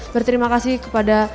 berterima kasih kepada